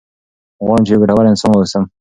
غواړم چې یو ګټور انسان واوسم.